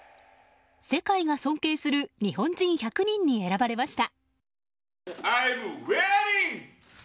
世界が尊敬する日本人１００人に選ばれました。